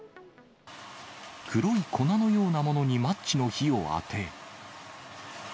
黒い粉のようなものにマッチの火を当て。